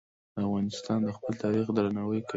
افغانستان د خپل تاریخ درناوی کوي.